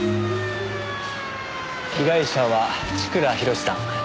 被害者は千倉博さん。